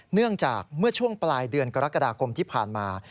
เนื่องจากเมื่อช่วงปลายเดือนกรกฎาคมที่ผ่านมา